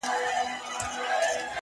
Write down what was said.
ته چي راغلې سپين چي سوله تور باڼه